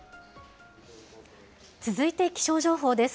続いて気象情報です。